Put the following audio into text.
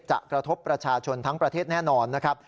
กระทบประชาชนทั้งประเทศแน่นอนนะครับ